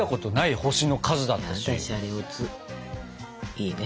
いいね。